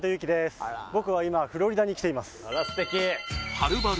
はるばる